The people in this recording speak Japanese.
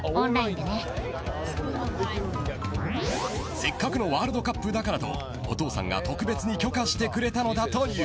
せっかくのワールドカップだからとお父さんが特別に許可してくれたのだという。